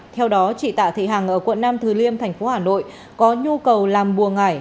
theo đó trị tạ thị hằng ở quận năm thứ liêm thành phố hà nội có nhu cầu làm buồn ngại